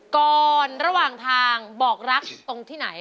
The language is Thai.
ระหว่างทางบอกรักตรงที่ไหน